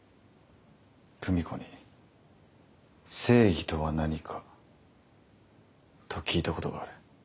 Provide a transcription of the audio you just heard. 久美子に「正義とは何か」と聞いたことがある。